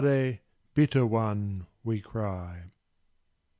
Bitter One!_" we cry.